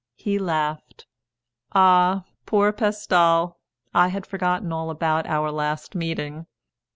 He laughed. "Ah! Poor Pestal! I had forgotten all about our last meeting."